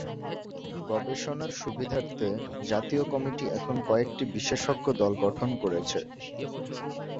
গবেষণার সুবিধার্থে জাতীয় কমিটি এখন কয়েকটি বিশেষজ্ঞ দল গঠন করেছে।